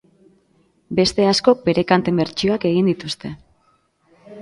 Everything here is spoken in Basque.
Beste askok bere kanten bertsioak egin dituzte.